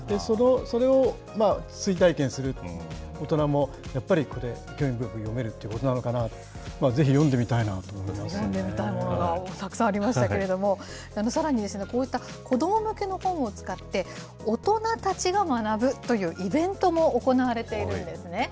それを追体験する、大人もやっぱり、興味深く読めるということなのかなと、ぜひ読んでみたいなと思い読んでみたいものがたくさんありましたけれども、さらに、こういった子ども向けの本を使って、大人たちが学ぶというイベントも行われているんですね。